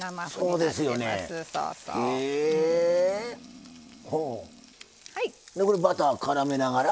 でこれバターからめながら？